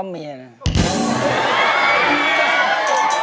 ซ้อมเพลงเหรอคะซ้อมเพลงเหรอคะ